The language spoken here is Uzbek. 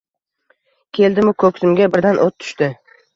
Keldimu ko’ksimga birdan o’t tushdi